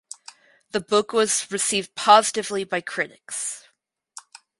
The book was received positively by critics.